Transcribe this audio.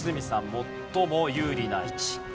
最も有利な位置。